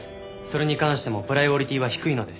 それに関してもプライオリティは低いので。